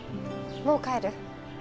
もう帰る？